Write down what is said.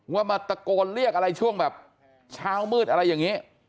ว่ามาตะโกนเรียกอะไรช่วงแบบเช้ามืดอะไรอย่างนี้